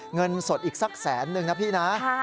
เงินสดอีกสักแสนนึงนะพี่นะ